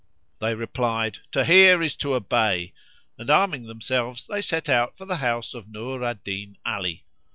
They replied, "To hear is to obey;" and, arming themselves, they set out for the house of Nur al Din Ali.